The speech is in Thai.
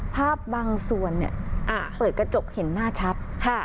ภาพบางส่วนเนี่ยอ่าเปิดกระจกเห็นหน้าชัดค่ะ